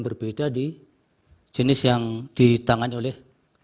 berbeda di jenis yang ditangani oleh